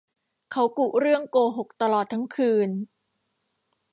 เขากุเรื่องโกหกตลอดทั้งคืน